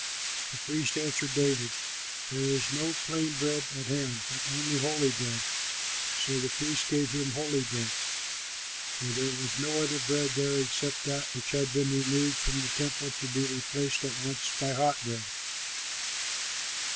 The priest answered David, "There is no plain bread at hand, but only holy bread." So the priest gave him holy bread, for there was no other bread there except that which had been removed from the temple to be replaced at once by hot bread.